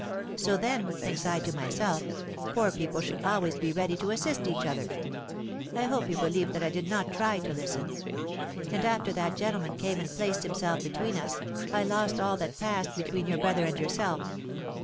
So then, thinks I to myself, poor people should always be ready to assist each other. I hope you believe that I did not try to listen? And after that gentleman came and placed himself between us, I lost all that passed between your brother and yourself.